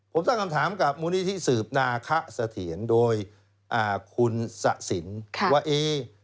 ผมตั้งคำถามกับมูลนิธิสืบนาคะเสถียรโดยคุณสะสินว่าเอ๊